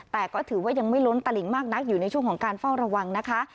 แต่ก็ถือว่ายังไม่ล้นตลิงมากนักอยู่ในช่วงของการเฝ้าระวังนะคะ